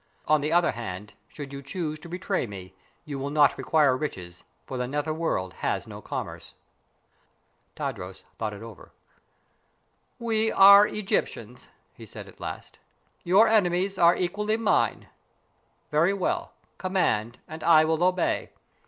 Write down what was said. On the other hand, should you choose to betray me, you will not require riches, for the nether world has no commerce." Tadros thought it over. "We are Egyptians," he said, at last. "Your enemies are equally mine. Very well; command and I will obey.